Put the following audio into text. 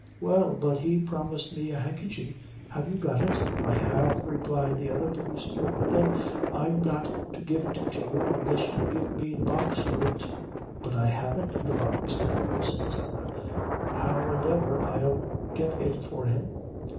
"Well, but he promised me a handkerchy; have you got it?" "I have," replied the other, producing it; "but, then, I'm not to give it to you, unless you give me the box for it." "But I haven't the box now," said Sarah, "how and ever, I'll get it for him."